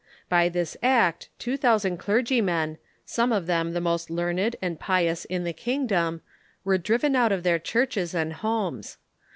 By this act two thousand clergymen, some of them the most learned and pious in the kingdom, were driven out of their churches and homes.